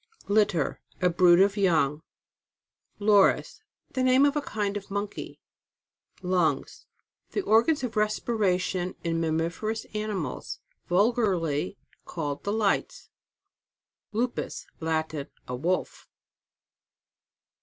LITTER. A brood of young. LOR IP. The name ofa kind of monkey. LUNGS. The organs of respiration in mammiferous animals. Vulgarly called the lights. LUPUS. Latin. A Wolf.